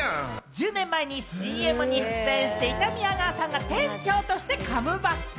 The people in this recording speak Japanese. １０年前にＣＭに出演していた宮川さんが店長としてカムバック。